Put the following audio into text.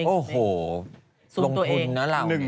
โอ้โหลงทุนนะเรา